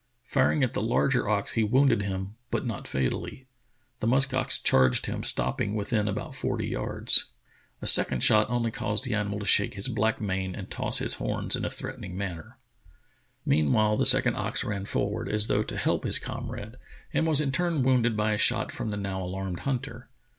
Firing at the larger ox, he wounded him, but not fatally. The musk ox charged him, stopping within about forty yards. A second shot only caused the animal to shake his black mane and toss his horns in a threatening manner. Meanwhile the second ox ran forward, as though to help his comrade, and was in turn wounded by a shot from the now alarmed hunter.